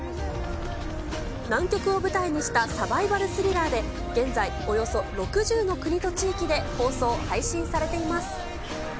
南極を舞台にしたサバイバルスリラーで現在、およそ６０の国と地域で放送、配信されています。